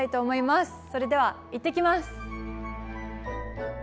それでは行ってきます。